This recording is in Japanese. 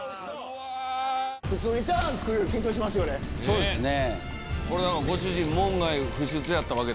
そうですね。